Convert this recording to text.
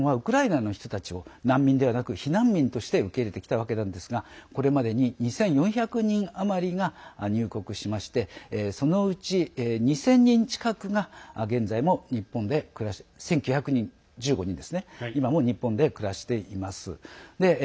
日本はウクライナの人たちを難民ではなく避難民として受け入れてきたわけですがこれまでに２４００人余りが入国しましてそのうち２０００人近く１９１５人が今も日本で暮らしています。